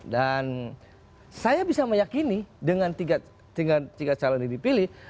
dan saya bisa meyakini dengan tiga calon yang dipilih